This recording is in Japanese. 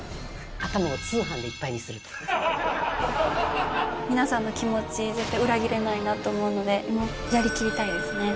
頭を通販でいっぱいにすると皆さんの気持ち、絶対裏切れないなと思うので、もうやり切りたいですね。